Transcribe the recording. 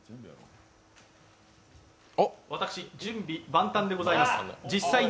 私、準備万端でございます。